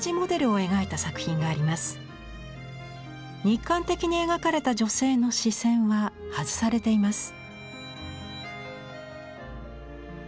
肉感的に描かれた女性の視線は外されています。